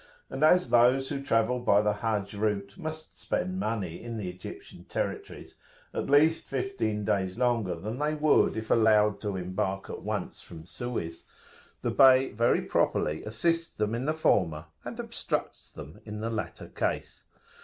[FN#9] And as those who travel by the Hajj route must spend money in the Egyptian territories at least fifteen days longer than they would if allowed to [p.169]embark at once from Suez, the Bey very properly assists them in the former and obstructs them in the latter case.